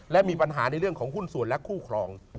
และมีปัญหาในเรื่องของหุ้นส่วนและคู่ครอง